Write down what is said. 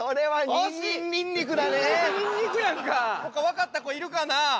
「にんにくにんにく」やんか。ほか分かった子いるかな？